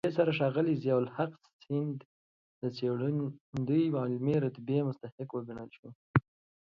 په دې سره ښاغلی ضياءالحق سیند د څېړندوی علمي رتبې مستحق وګڼل شو.